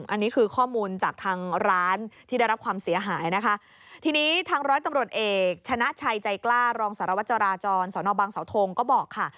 อันนี้คือข้อมูลจากทางร้านที่ได้รับความเสียหายนะคะทีนี้ทางร้อยตำรวจเอกชนะชัยใจกล้ารองสารวจราจรสอนอบังเสาทงก็บอกค่ะ